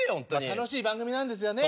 楽しい番組なんですよね。